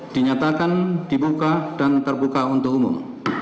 dinyatakan dibuka dan terbuka untuk umum